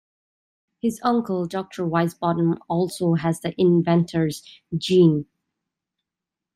His uncle, Doctor Wisebottom, also has the Inventor's Gene.